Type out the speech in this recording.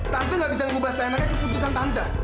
tante nggak bisa mengubah dna keputusan tante